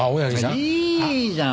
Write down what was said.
いいじゃん！